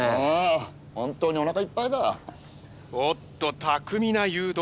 おっと巧みな誘導。